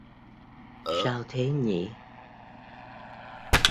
Sao thế nhỉ